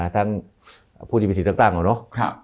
ท่านพูดถึงพิธีต่างแล้วเนอะ